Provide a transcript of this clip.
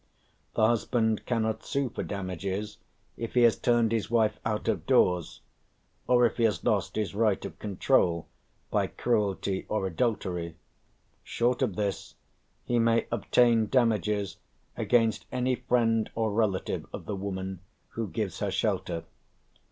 The husband cannot sue for damages if he has turned his wife out of doors, or if he has lost his right of control by cruelty or adultery; short of this, he may obtain damages against any friend or relative of the woman who gives her shelter.